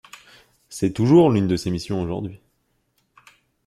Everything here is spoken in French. C'est toujours l'une de ses missions aujourd'hui.